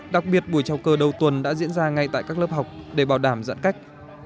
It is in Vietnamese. đặc biệt buổi trao cơ đầu tuần đã diễn ra ngay tại các lớp học để bảo đảm giãn cách